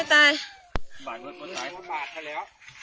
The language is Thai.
ตายตายจบตายตาย